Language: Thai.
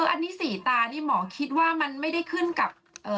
คืออันนี้สี่ตานี่หมอคิดว่ามันไม่ได้ขึ้นกับ